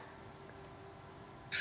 iya saya kira itu formal dan itu sikap resmi